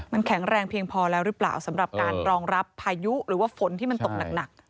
มันแข็งแรงเพียงพอแล้วหรือเปล่าสำหรับการรองรับพายุหรือว่าฝนที่มันตกหนัก